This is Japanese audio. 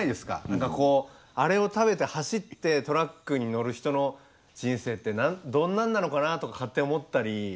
何かこうあれを食べて走ってトラックに乗る人の人生ってどんなんなのかなとか勝手に思ったり。